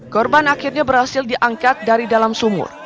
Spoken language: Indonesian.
korban akhirnya berhasil diangkat dari dalam sumur